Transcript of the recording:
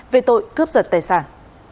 về tội cướp giật tài sản